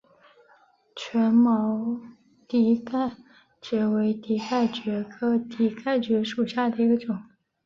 腺毛蹄盖蕨为蹄盖蕨科蹄盖蕨属下的一个种。